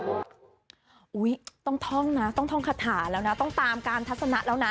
ต้องท่องนะต้องท่องคาถาแล้วนะต้องตามการทัศนะแล้วนะ